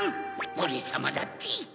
オレさまだって！